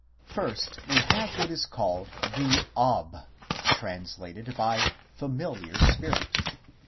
First we have what is called the Ob, translated by " familiar spirit."